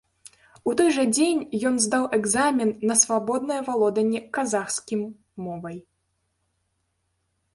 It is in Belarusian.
У той жа дзень ён здаў экзамен на свабоднае валоданне казахскім мовай.